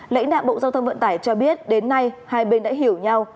lãnh đạo bộ giao thông vận tải cho biết đến nay hai bên đã hiểu nhau